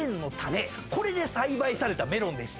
これで栽培されたメロンでして。